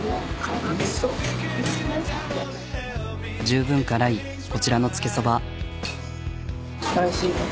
十分辛いこちらのつけそば。